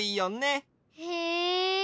へえ！